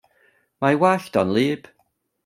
Mae 'i wallt o'n 'lyb.